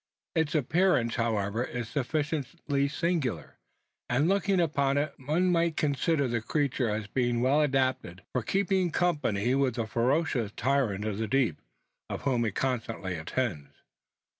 Its appearance, however, is sufficiently singular; and looking upon it, one might consider the creature as being well adapted for keeping company with the ferocious tyrant of the deep, on whom it constantly attends.